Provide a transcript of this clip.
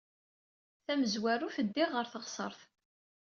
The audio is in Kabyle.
Tamezwarut, ddiɣ ɣer teɣsert.